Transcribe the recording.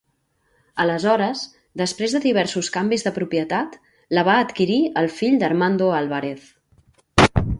Aleshores, després de diversos canvis de propietat, la va adquirir el fill d'Armando Álvarez.